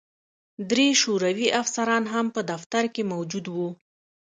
درې شوروي افسران هم په دفتر کې موجود وو